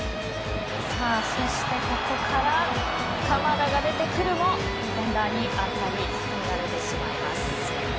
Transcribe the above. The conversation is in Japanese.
さあ、そしてここから鎌田が出てくるも相手選手に当たりはじかれてしまいます。